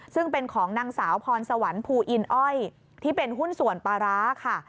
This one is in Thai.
ซึ่งเป็นของนางสาวพรสวรรค์ภูอินอ้อยที่เป็นหุ้นส่วนปลาร้าค่ะ